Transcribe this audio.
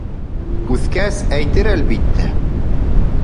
Үҫкәс, әйтер, әлбиттә.